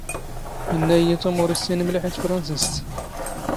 ⵉⵏⵏⴰ ⵉⵢⵉ ⵟⵓⵎ ⵓⵔ ⵉⵙⵙⵉⵏ ⵎⵍⵉⵃ ⵉ ⵜⴼⵕⴰⵏⵚⵉⵚⵜ.